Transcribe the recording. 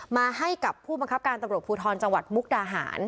มาให้กับผู้บังคับการตำรวจภูทรจังหวัดมุกดาหาร